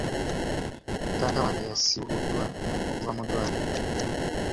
Taata wange yasiibuddwa okuva mu ddwaliro .